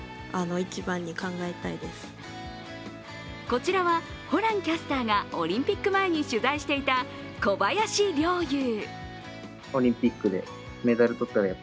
こちらはホランキャスターがオリンピック前に取材していた小林陵侑。